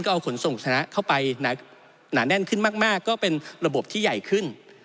เอาขนส่งชนะเข้าไปหนาแน่นขึ้นมากก็เป็นระบบที่ใหญ่ขึ้น